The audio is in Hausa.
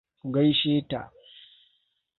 Ku gaishe ta.